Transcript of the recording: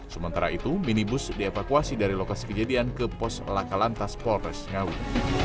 sementara itu minibus dievakuasi dari lokasi kejadian ke pos lakalantas polres ngawi